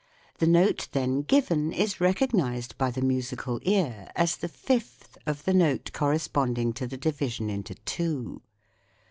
The note then given is recognised by the musical ear as the fifth of the note corresponding to the division into two.